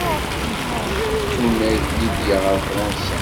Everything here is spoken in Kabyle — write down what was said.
Tunag Lidya ɣer Fransa.